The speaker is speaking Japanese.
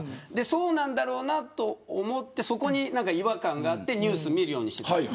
そうなんだろうなと思ってそこに違和感があってニュースを見るようにしています。